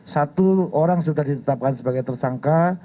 satu orang sudah ditetapkan sebagai tersangka